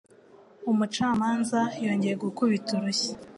Umucamanza yongeye gukubita urushyi.